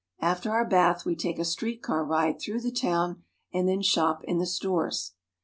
H ii. .n,.> i, j After our bath we take a street car ride through the ^^^fl town, and then shop in the stores.